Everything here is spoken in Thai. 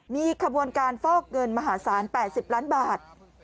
มีขบวนการฟอกเงินมหาศาล๘๐ล้านบาท